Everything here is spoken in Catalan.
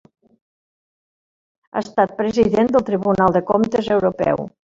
Ha estat president del Tribunal de Comptes Europeu.